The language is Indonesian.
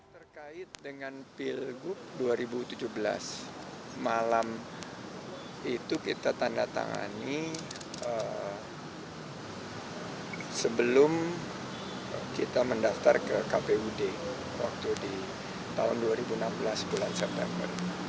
terkait dengan pilgub dua ribu tujuh belas malam itu kita tanda tangani sebelum kita mendaftar ke kpud waktu di tahun dua ribu enam belas bulan september